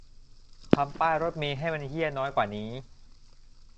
ทำป้ายรถเมล์ให้มันเหี้ยน้อยกว่านี้